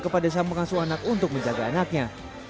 kepada sang pengasuh anak untuk menjaga anaknya